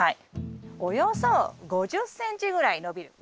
およそ５０ｃｍぐらい伸びる。